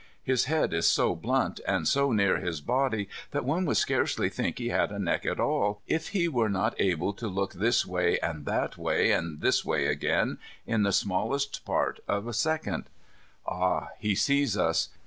His head is so blunt and so near his body that one would scarcely think he had a neck at all if he were not able to look this way and that way and this way again, in the smallest part of second. Ah, he sees us.